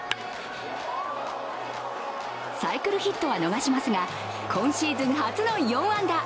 サイクルヒットは逃しますが今シーズン初の４安打。